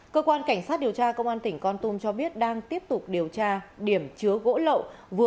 cơ quan cảnh sát điều tra công an tỉnh con tum cho biết đang tiếp tục điều tra điểm chứa gỗ lậu